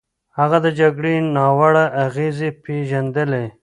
هغه د جګړې ناوړه اغېزې پېژندلې.